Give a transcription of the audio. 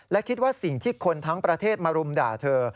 และคิดว่าสิ่งที่คนทั้งประเทศมารุมด่าเธอ